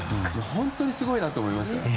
本当にすごいなと思いました。